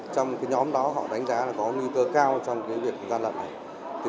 trong nhóm đó họ đánh giá là có nguy cơ cao trong việc gian lận này